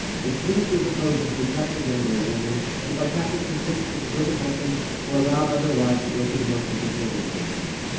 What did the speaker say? It pleased her to pose as the attractive young married woman, and by tacit consent the suburban husbands were allowed by their wives to go through the motions of flirting with her.